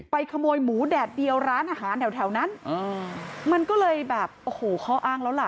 ขโมยหมูแดดเดียวร้านอาหารแถวนั้นมันก็เลยแบบโอ้โหข้ออ้างแล้วล่ะ